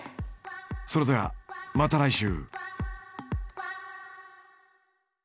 それではまた来週。